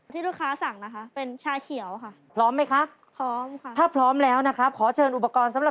ที่ลูกค้าสั่งนะคะเป็นชาเขียวค่ะ